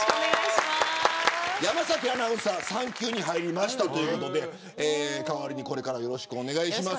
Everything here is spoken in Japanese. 山崎アナウンサーが産休に入りましたということで代わりにこれからよろしくお願いします。